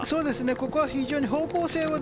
ここは非常に方向性を